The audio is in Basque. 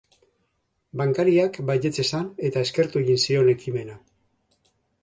Bankariak baietz esan, eta eskertu egin zion ekimena.